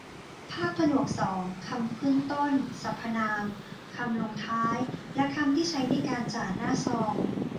ภาคผนวกสอง คำขึ้นต้น สรรพนาม คำลงท้าย และคำที่ใช้ในการจ่าหน้าซอง